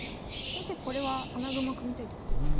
先生これは穴熊組みたいってことですか？